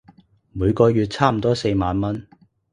每個月差唔多四萬文